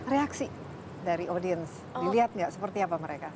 reaksi dari audience dilihat gak seperti apa mereka